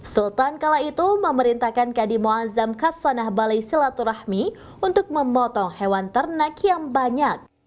sultan kala itu memerintahkan kadi muazzam kasanah bali silaturahmi untuk memotong hewan ternak yang banyak